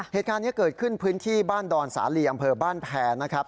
เหตุการณ์นี้เกิดขึ้นพื้นที่บ้านดอนสาลีอำเภอบ้านแพรนะครับ